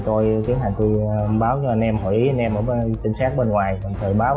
tôi tiến hành tôi báo cho anh em hỏi ý anh em ở bên tình xác bên ngoài còn tôi báo